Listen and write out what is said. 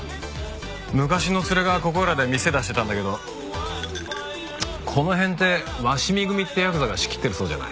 昔のツレがここいらで店出してたんだけどこの辺って鷲見組ってヤクザが仕切ってるそうじゃない。